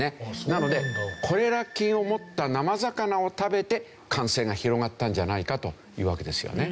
なのでコレラ菌を持った生魚を食べて感染が広がったんじゃないかというわけですよね。